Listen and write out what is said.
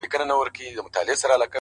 د يوسفي حُسن شروع ته سرگردانه وو،